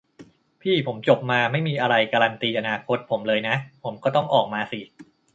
'พี่ ผมจบมา ไม่มีอะไรการันตีอนาคตผมเลยนะ ผมก็ต้องออกมาสิ'